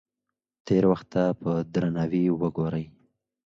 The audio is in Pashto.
تېر وخت ته په درناوي وګورئ.